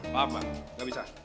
maaf mbak gak bisa